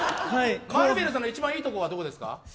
マリベルさんの一番いいところはどこですか？